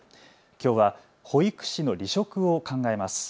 きょうは保育士の離職を考えます。